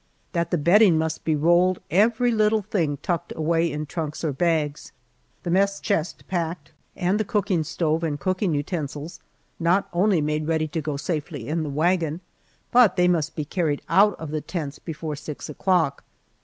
That the bedding must be rolled, every little thing tucked away in trunks or bags, the mess chest packed, and the cooking stove and cooking utensils not only made ready to go safely in the wagon, but they must be carried out of the tents before six o'clock.